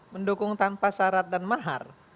mendukung tanpa syarat dan mahar